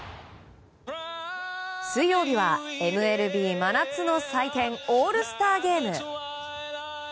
水曜日はＭＬＢ真夏の祭典オールスターゲーム。